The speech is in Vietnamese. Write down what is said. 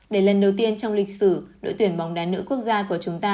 để lần đầu tiên trong lịch sử đội tuyển bóng đá nữ quốc gia của chúng ta